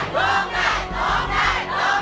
คุณโรคเจ้า